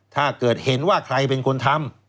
ถ้าเกิดว่าใครเป็นคนทำ